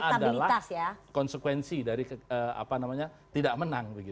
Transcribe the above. kalah itu adalah konsekuensi dari tidak menang